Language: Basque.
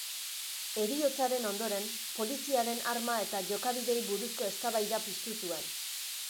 Heriotzaren ondoren, poliziaren arma eta jokabideei buruzko eztabaida piztu zuen.